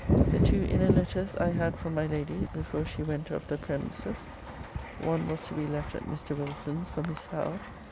The two inner letters I had from my lady, before she went off the prems's. One was to be left at Mr. Wilson's for Miss Howe.